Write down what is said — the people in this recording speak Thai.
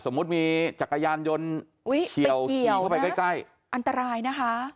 สมมุติมีจักรยานยนต์เชี่ยวอันตรายนะคะ